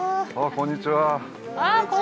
こんにちは。